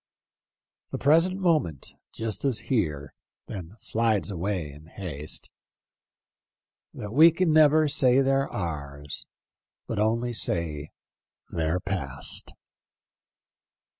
The present moment just is here, Then slides away in haste, That we can never say they're ours. But only say they're past."